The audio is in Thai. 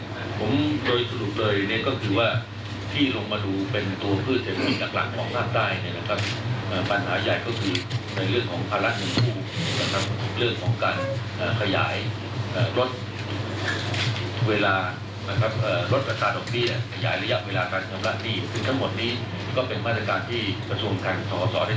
วันนี้ก็เป็นภาพรู้ประสุทธิ์เป็นตัวเองครับ